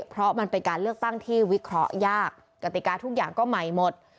เพราะมันเป็นการเลือกตั้งที่วิเคราะห์ยากกติกาทุกอย่างก็ใหม่หมด